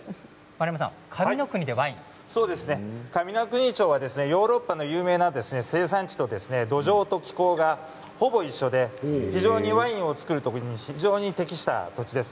上ノ国町はヨーロッパの有名な生産地と土壌と気候がほぼ一緒で非常にワインを造るところに適した土地です。